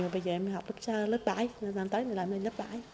bây giờ em học lớp bảy đến lại là em lớp bảy